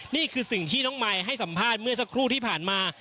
นี่คือสิ่งที่น้องมายให้สัมภาษณ์เมื่อสักครู่ที่ผ่านมา